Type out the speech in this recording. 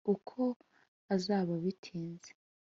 Uko azaba bitinze.